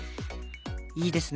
いいですね。